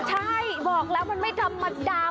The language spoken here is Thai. ใช่บอกแล้วมันไม่ธรรมดา